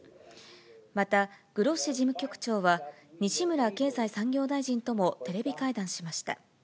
また、グロッシ事務局長は西村経済産業大臣ともテレビ会談しました。